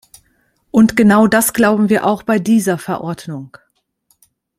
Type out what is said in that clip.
Und genau das glauben wir auch bei dieser Verordnung.